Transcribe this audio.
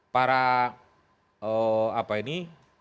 para apa ini